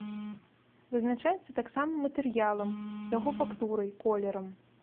Вызначаецца таксама матэрыялам, яго фактурай, колерам.